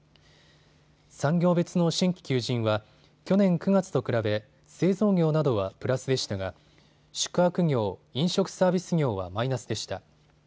産業別の新規求人は去年９月と比べ製造業などはプラスでしたが宿泊業・飲食サービス業はマイナスでした。